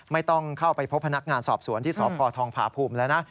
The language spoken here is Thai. ไม่ต้องเข้าไปพบพนักงานสอบสวนที่สพทองผาภูมิแล้วนะ